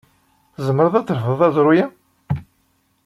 Tzemreḍ ad trefdeḍ aẓru-a?